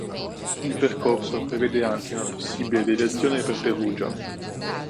Il percorso prevede anche una possibile deviazione per Perugia.